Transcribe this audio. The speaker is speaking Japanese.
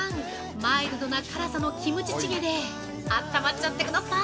マイルドな辛さのキムチチゲで温まっちゃってください！